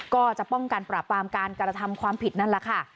ก็จะป้องกันปราบปรามการกระทำความผิดนั่นแหละค่ะ